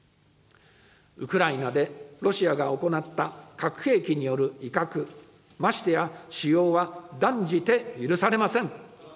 ウクライナでロシアが行った核兵器による威嚇、ましてや使用は断じて許されません。